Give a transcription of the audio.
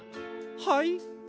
はい？